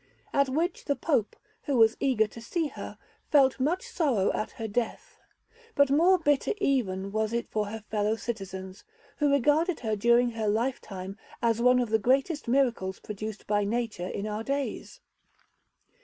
At which the Pope, who was eager to see her, felt much sorrow at her death; but more bitter even was it for her fellow citizens, who regarded her during her lifetime as one of the greatest miracles produced by nature in our days.